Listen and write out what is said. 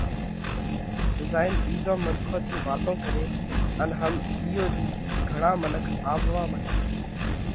زائينَ ٻِيزون منکون نئہ واتون ڪري ان هم ۮِيئو ۮِي گھڻا منک آوَوا مڏيا۔